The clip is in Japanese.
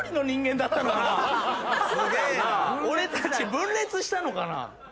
俺たち分裂したのかな？